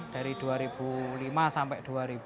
dari dua ribu lima sampai dua ribu sembilan belas